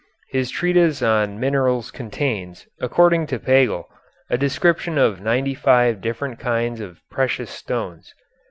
His treatise on minerals contains, according to Pagel, a description of ninety five different kinds of precious stones.